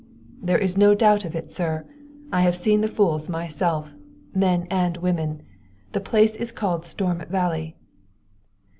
"There is no doubt of it, sir. I have seen the fools myself men and women. The place is called Storm Valley."